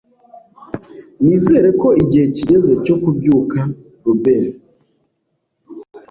Nizera ko igihe kigeze cyo kubyuka Robert.